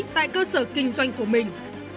tại cơ sở kinh doanh của mình